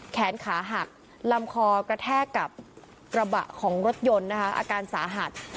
แขนขาหักลำคอกระแทกกับกระบะของรถยนต์นะคะอาการสาหัส